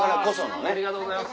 ありがとうございます。